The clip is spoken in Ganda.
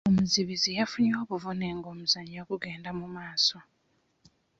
Omuzibizi yafunye obuvune ng'omuzannyo gugenda mu maaso.